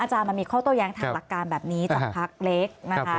อาจารย์มันมีข้อโต้แย้งถักประการแบบนี้จากพักเล็กนะคะ